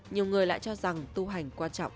nhiều người lại cho rằng tu hành quan trọng